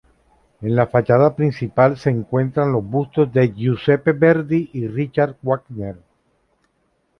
En la fachada principal se encuentran los bustos de Giuseppe Verdi y Richard Wagner.